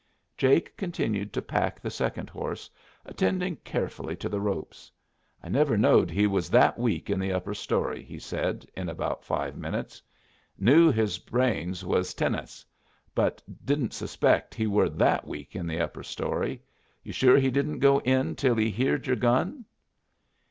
Jake continued to pack the second horse, attending carefully to the ropes. "I never knowed he was that weak in the upper story," he said, in about five minutes. "Knew his brains was tenas, but didn't suspect he were that weak in the upper story. You're sure he didn't go in till he heerd your gun?"